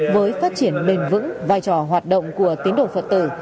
với phát triển bền vững vai trò hoạt động của tín đồ phật tử